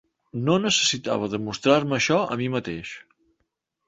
No necessitava demostrar-me això a mi mateix.